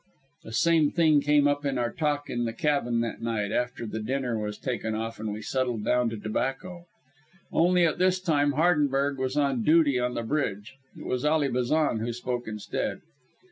The same thing came up in our talk in the cabin that night, after the dinner was taken off and we settled down to tobacco. Only, at this time, Hardenberg was on duty on the bridge. It was Ally Bazan who spoke instead.